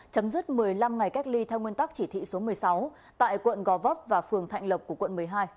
chấm dứt một mươi năm ngày cách ly theo nguyên tắc chỉ thị số một mươi sáu tại quận gò vấp và phường thạnh lộc của quận một mươi hai